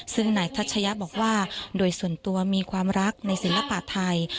ซึ่งนายทัชยะบอกว่าโดยส่วนตัวมีความรักในศิลปะไทย